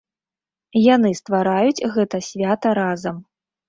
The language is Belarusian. Яны ствараюць гэта свята разам.